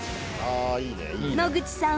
野口さん